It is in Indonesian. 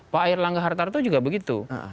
pak erlangga hartarto juga begitu